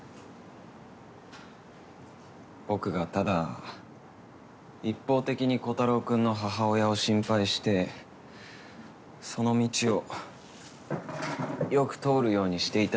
僕がただ一方的にコタローくんの母親を心配してその道をよく通るようにしていただけです。